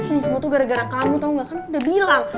ini semua tuh gara gara kamu tau gak kan udah bilang